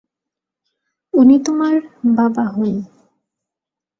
উনি তোমার বাবা হন।